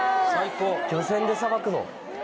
漁船でさばくの？